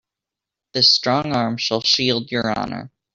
This strong arm shall shield your honor.